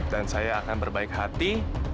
dan saya akan berbaik hati